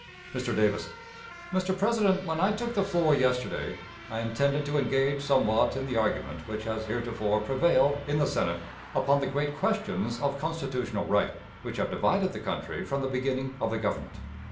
Mr. Davis: Mr. President, when I took the floor yesterday, I intended to engage somewhat in the argument which has heretofore prevailed in the Senate upon the great questions of constitutional right, which have divided the country from the beginning of the Government.